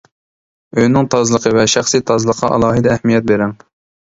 ئۆينىڭ تازىلىقى ۋە شەخسىي تازىلىققا ئالاھىدە ئەھمىيەت بىرىڭ!